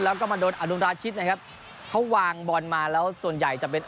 แล้วก็มาโดนอนุราชิตนะครับเขาวางบอลมาแล้วส่วนใหญ่จะเป็น